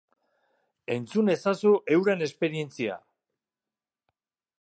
Entzun ezazu euren esperientzia!